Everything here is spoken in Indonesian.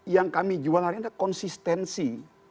yang kami jualan ini ada konsistensi